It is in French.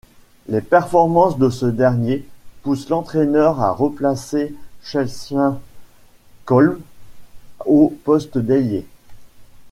Les performances de ce dernier pousse l'entraîneur à replacer Cheslin Kolbe au poste d'ailier.